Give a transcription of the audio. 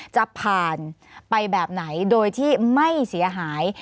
จะผ่านไปแบบไหนโดยที่ไม่เสียหาย